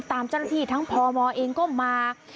เจ้าหน้าที่ทั้งพมเองก็มา